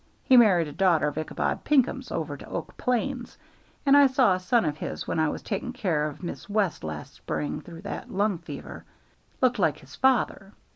He married a daughter of Ichabod Pinkham's over to Oak Plains, and I saw a son of his when I was taking care of Miss West last spring through that lung fever looked like his father.